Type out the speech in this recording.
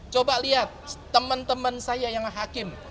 coba lihat teman teman saya yang hakim